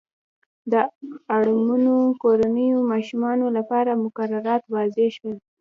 د اړمنو کورنیو ماشومانو لپاره مقررات وضع شول.